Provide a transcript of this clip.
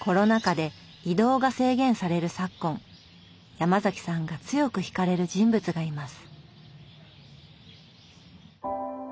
ヤマザキさんが強くひかれる人物がいます。